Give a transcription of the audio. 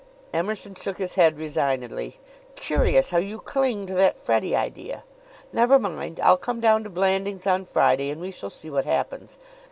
Emerson shook his head resignedly. "Curious how you cling to that Freddie idea. Never mind! I'll come down to Blandings on Friday and we shall see what happens.